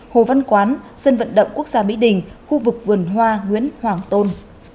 hồ văn quán sân vận động quốc gia mỹ đình khu vực vườn hoa nguyễn hoàng tôn